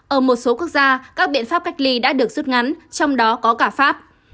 ở một số quốc gia các biện pháp cách ly đã được rút ngắn trong đó có cả pháp